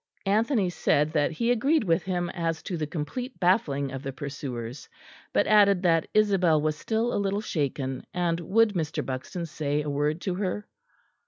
Anthony said that he agreed with him as to the complete baffling of the pursuers, but added that Isabel was still a little shaken, and would Mr. Buxton say a word to her.